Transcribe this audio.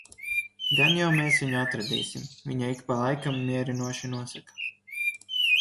"Gan jau mēs viņu atradīsim," viņa ik pa laikam mierinoši nosaka.